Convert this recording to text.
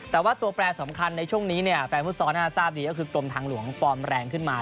แต่ว่าตัวแปรสำคัญในช่วงนี้เนี่ยแฟนฟุตซอลน่าจะทราบดีก็คือกรมทางหลวงฟอร์มแรงขึ้นมา